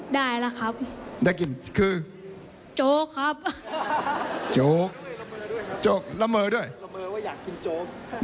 ได้แล้วครับได้กินคือจกครับจกลำเมอด้วยลำเมอว่ายากกินจก